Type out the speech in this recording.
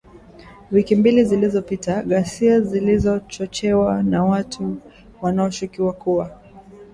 Wiki mbili zilizopita, ghasia zilizochochewa na watu wanaoshukiwa kuwa